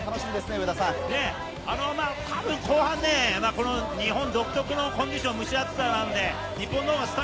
たぶん後半、日本独特のコンディション、蒸し暑さなので、日本の方がスタ